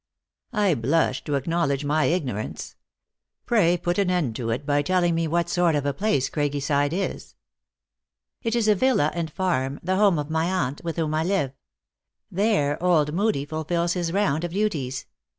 I blush to acknowledge my ignorance. Pray put an end to it by telling me what sort of a place Craiggy side is." " It is a villa and farm, the home of my aunt, with whom I live. There old Moodie fulfills his round of duties.